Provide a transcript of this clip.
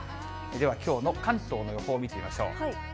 ではきょうの関東の予報を見てみましょう。